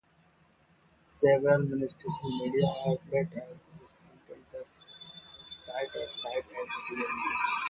Several mainstream media outlets have represented the satire on the site as real news.